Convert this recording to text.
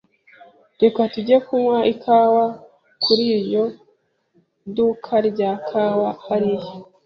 Reka tujye kunywa ikawa kuri iryo duka rya kawa hariya.